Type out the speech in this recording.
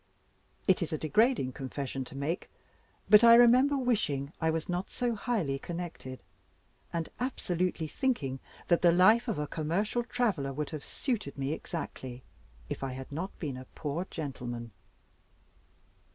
It is a degrading confession to make; but I remember wishing I was not so highly connected, and absolutely thinking that the life of a commercial traveler would have suited me exactly, if I had not been a poor gentleman.